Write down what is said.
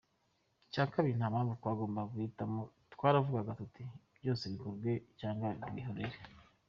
Icya kabiri nta mpamvu twagombaga guhitamo, twaravugaga tuti byose bikorwe cyangwa birorere.